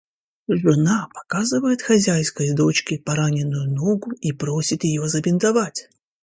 Жена показывает хозяйской дочке пораненную ногу и просит её забинтовать.